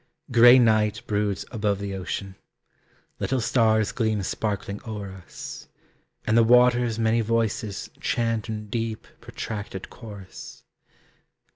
Gray night broods above the ocean, Little stars gleam sparkling o'er us. And the waters' many voices Chant in deep, protracted chorus.